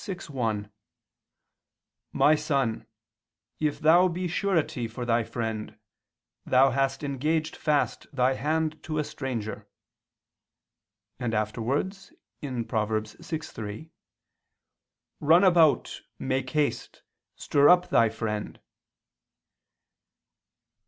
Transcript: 6:1): "My son, if thou be surety for thy friend, thou hast engaged fast thy hand to a stranger," and afterwards (Prov. 6:3): "Run about, make haste, stir up thy friend."